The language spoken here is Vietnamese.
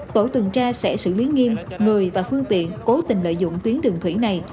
bộ tường tra sẽ xử lý nghiêm người và phương tiện cố tình lợi dụng tuyến đường thủy này